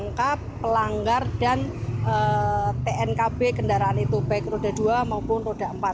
lengkap pelanggar dan tnkb kendaraan itu baik roda dua maupun roda empat